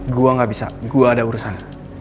gue gak bisa gue ada urusan